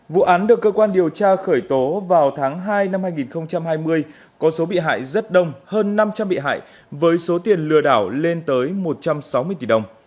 vụ án được cơ quan điều tra khởi tố vào tháng hai năm hai nghìn hai mươi có số bị hại rất đông hơn năm trăm linh bị hại với số tiền lừa đảo lên tới một trăm sáu mươi tỷ đồng